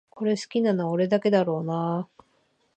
これ好きなの俺だけだろうなあ